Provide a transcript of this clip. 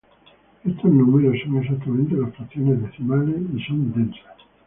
Estos números son exactamente las fracciones decimales, y son densas.